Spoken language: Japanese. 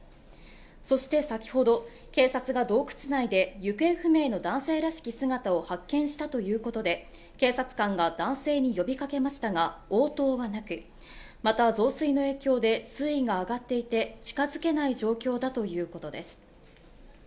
そして先ほど警察が洞窟内で行方不明の男性らしき姿を発見したということで警察官が男性に呼びかけましたが応答はなくまた増水の影響で水位が上がっていて近づけない状況だということです